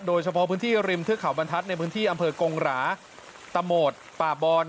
โดยเฉพาะพื้นที่ริมเทือกเขาบรรทัศน์ในพื้นที่อำเภอกงหราตะโหมดป่าบอน